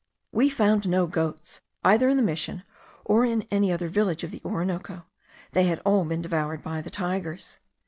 We found no goats, either in the mission or in any other village of the Orinoco; they had all been devoured by the tigers.